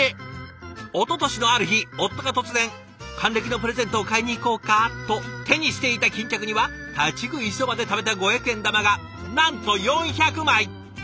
おととしのある日夫が突然「還暦のプレゼントを買いに行こうか」と手にしていた巾着には立ち食いそばでためた五百円玉がなんと４００枚！